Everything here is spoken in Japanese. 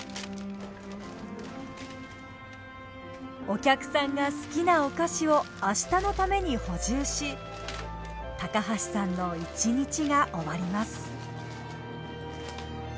お客さんが好きなお菓子を明日のために補充し橋さんの一日が終わります。